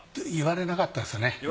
言われなかったですね。